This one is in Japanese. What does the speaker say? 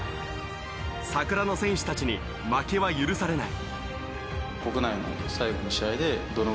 桜の戦士たちに負けは許されない。